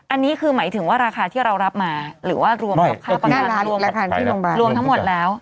อันนี้คือหมายถึงว่าราคาที่เรารับมาหรือว่ารวมกับค่าประกันรวมทั้งหมดแล้ว